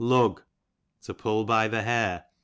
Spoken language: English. Lug, to pull by ihe hair.